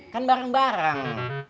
kan bareng bareng